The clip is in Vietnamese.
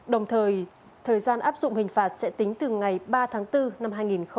đồng thời thời gian áp dụng hình phạt sẽ tính từ ngày ba tháng bốn năm hai nghìn hai mươi